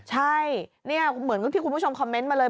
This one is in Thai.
ใช่นี่เหมือนกับที่คุณผู้ชมคอมเมนต์มาเลย